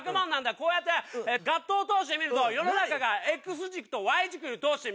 こうやってガットを通して見ると世の中がＸ軸とＹ軸に通して見える！